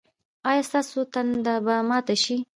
ایا ستاسو تنده به ماته شي؟